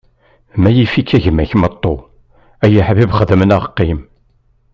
Ma yif-ik gma-k meṭṭu, ay aḥbib xdem neɣ qqim.